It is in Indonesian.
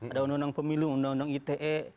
ada undang undang pemilu undang undang ite